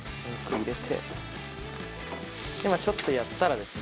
ちょっとやったらですね